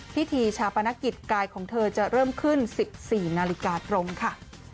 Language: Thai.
พิธีชาปนกิจกายของเธอจะเริ่มขึ้น๑๔นาฬิกาตรงค่ะ